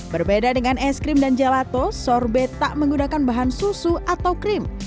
berbeda dengan es krim dan gelato sorbet tak menggunakan bahan susu atau krim